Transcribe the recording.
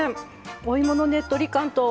お芋のねっとり感と。